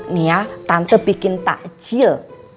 nih ya tante bikin takjil